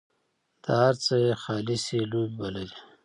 دا هر څه یې خاصې لوبې بلل.